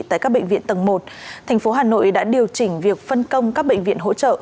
tại các bệnh viện tầng một thành phố hà nội đã điều chỉnh việc phân công các bệnh viện hỗ trợ